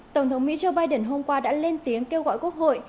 tổng thống mỹ joe biden hôm qua đã lên tiếng kêu gọi quốc hội